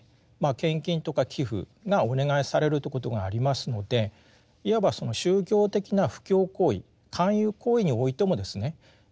献金とか寄附がお願いされるということがありますのでいわばその宗教的な布教行為勧誘行為においてもですね